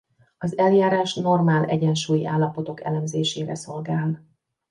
Az eljárás normál egyensúlyi állapotok elemzésére szolgál.